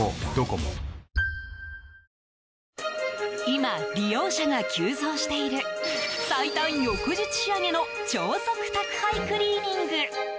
今、利用者が急増している最短翌日仕上げの超速宅配クリーニング。